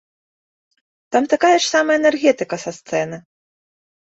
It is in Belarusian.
Там такая ж самая энергетыка са сцэны.